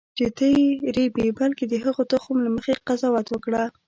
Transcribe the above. چې ته یې رېبې بلکې د هغه تخم له مخې قضاوت وکړه.